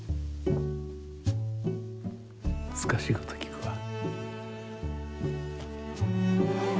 むずかしいこときくわ。